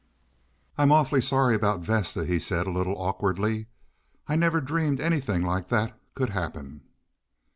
"I'm awfully sorry about Vesta," he said a little awkwardly. "I never dreamed anything like that could happen."